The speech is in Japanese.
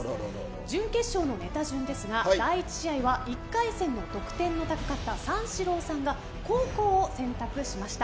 準決勝のネタ順ですが第１試合は１回戦の得点の高かった三四郎さんが後攻を選択しました。